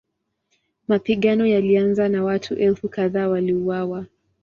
Mapigano yalianza na watu elfu kadhaa waliuawa.